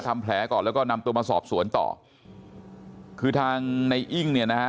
ทำแผลก่อนแล้วก็นำตัวมาสอบสวนต่อคือทางในอิ้งเนี่ยนะฮะ